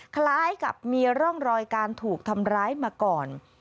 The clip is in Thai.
คล้ายกับมีร่องรอยการถูกทำร้ายมาก่อน